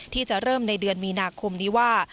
ที่จะเริ่มในเดือนมีนาคมนี้ว่า